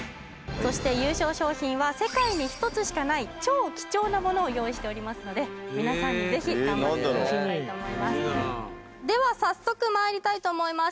そして優勝賞品は世界に１つしかない超貴重なモノを用意しておりますので皆さんにぜひ頑張っていただきたいと思いますでは早速まいりたいと思います